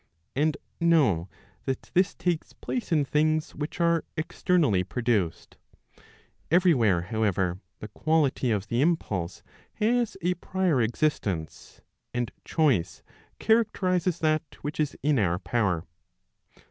And know that this takes place in things which are exter¬ nally produced. Every where, however, the quality of the impulse has a prior existence, and choice characterizes that which is in our power.